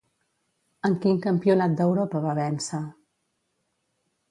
En quin campionat d'Europa va vèncer?